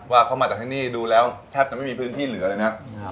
ว่าเขามาจากที่นี่ดูแล้วแทบจะไม่มีพื้นที่เหลือเลยนะ